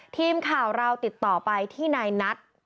ทีมข่าวเราติดต่อไปที่นายนัท